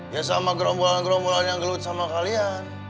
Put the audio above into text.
ya sama gerombolan gerombolan yang gelut sama kalian